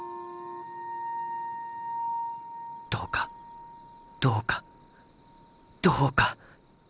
どうかどうかどうか！